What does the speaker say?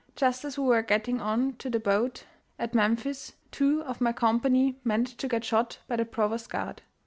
Just as we were getting on to the boat at Memphis two of my company managed to get shot by the provost guard.